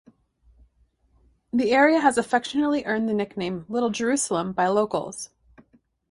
The area has affectionately earned the nickname "Little Jerusalem" by locals.